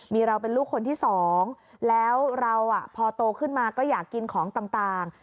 มีเราเป็นลูกคนที่สองแล้วเราพอโตขึ้นมาก็อยากกินของต่าง